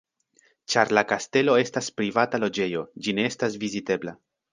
Ĉar la kastelo estas privata loĝejo, ĝi ne estas vizitebla.